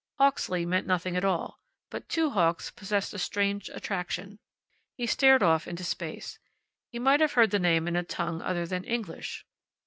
Hawksley meant nothing at all; but Two Hawks possessed a strange attraction. He stared off into space. He might have heard the name in a tongue other than English.